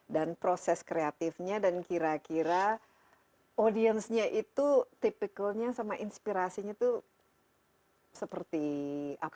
dan proses kreatifnya dan kira kira audiensnya itu tipikalnya sama inspirasinya itu seperti apa